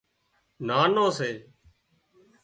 نانو سي